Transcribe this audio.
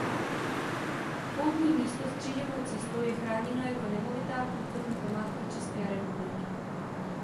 Poutní místo s křížovou cestou je chráněno jako nemovitá Kulturní památka České republiky.